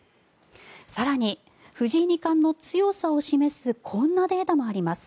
更に、藤井二冠の強さを示すこんなデータもあります。